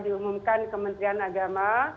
diumumkan kementerian agama